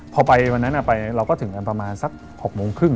พอไปวันนั้นไปเราก็ถึงกันประมาณสัก๖โมงครึ่ง